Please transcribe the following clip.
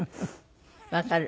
わかる。